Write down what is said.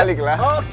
oke balik kawan